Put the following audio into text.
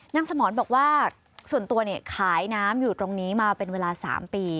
สมรบอกว่าส่วนตัวเนี่ยขายน้ำอยู่ตรงนี้มาเป็นเวลา๓ปี